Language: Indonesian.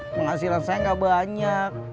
penghasilan saya gak banyak